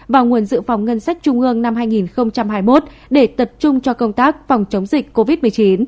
và nguồn dự phòng ngân sách trung ương năm hai nghìn hai mươi một để tập trung cho công tác phòng chống dịch covid một mươi chín